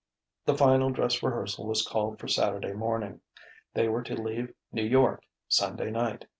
The final dress rehearsal was called for Saturday morning. They were to leave New York Sunday night.